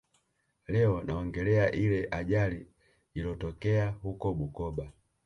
Leo naongelea ile ajali ilotokea huko Bukoba